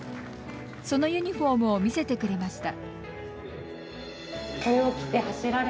そのユニフォームを見せてくれました。